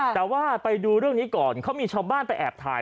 แต่ว่าไปดูเรื่องนี้ก่อนเขามีชาวบ้านไปแอบถ่าย